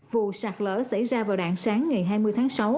vụ sạt lỡ xảy ra vào đạn sáng ngày hai mươi tháng sáu